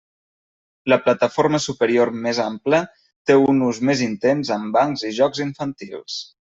La plataforma superior, més ampla, té un ús més intens amb bancs i jocs infantils.